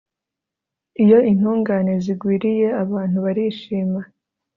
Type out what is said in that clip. iyo intungane zigwiriye abantu barishima